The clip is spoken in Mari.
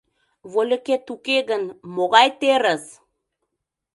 Вольыкет уке гын, могай терыс!